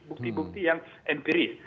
bukti bukti yang empiris